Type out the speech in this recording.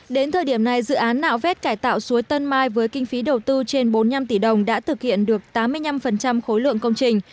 đến thời điểm này dự án nạo vét cải tạo suối tân mai với kinh phí đầu tư trên bốn mươi năm tỷ đồng đã thực hiện được tám mươi năm khối lượng công trình